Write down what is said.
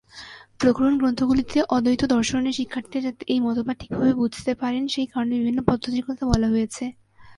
প্রকরণ গ্রন্থগুলিতে অদ্বৈত দর্শনের শিক্ষার্থীরা যাতে এই মতবাদ ঠিকভাবে বুঝতে পারেন, সেই কারণে বিভিন্ন পদ্ধতির কথা বলা হয়েছে।